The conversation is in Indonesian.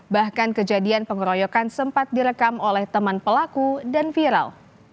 bahkan kejadian pengeroyokan sempat direkam oleh teman pelaku dan viral